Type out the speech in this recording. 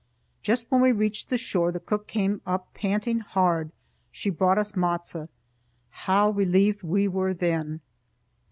Just when we reached the shore, the cook came up panting hard. She brought us matzo. How relieved we were then!